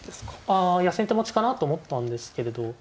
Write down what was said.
あいや先手持ちかなと思ったんですけれど。